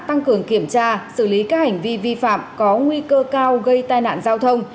tăng cường kiểm tra xử lý các hành vi vi phạm có nguy cơ cao gây tai nạn giao thông